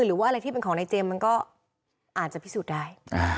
หรือว่าอะไรที่เป็นของนายเจมส์มันก็อาจจะพิสูจน์ได้